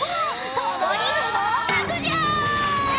ともに不合格じゃ！